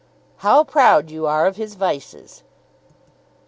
"How proud you are of his vices."